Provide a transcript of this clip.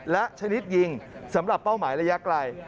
และชนิดยิงสำหรับเป้าหมายระยะไกล